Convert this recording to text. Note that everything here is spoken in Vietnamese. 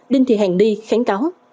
đinh thị hàng đi kháng cáo